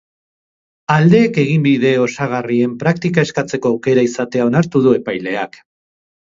Aldeek eginbide osagarrien praktika eskatzeko aukera izatea onartu du epaileak.